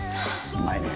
うまいねぇ。